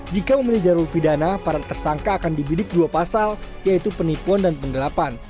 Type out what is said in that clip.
jika memilih jalur pidana para tersangka akan dibidik dua pasal yaitu penipuan dan penggelapan